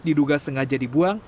diduga sengaja dibuang